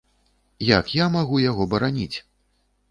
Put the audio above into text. Як я магу яго бараніць?